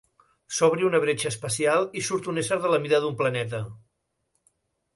S'obri una bretxa espacial i surt un ésser de la mida d'un planeta.